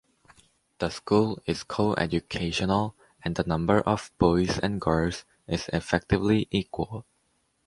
The school is co-educational and the number of boys and girls is effectively equal.